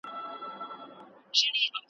خدای به یې کله عرضونه واوري .